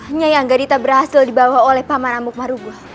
hanya yang gadita berhasil dibawa oleh paman amuk marugul